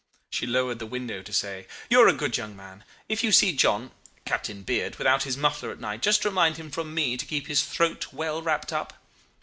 She lowered the window to say, 'You are a good young man. If you see John Captain Beard without his muffler at night, just remind him from me to keep his throat well wrapped up.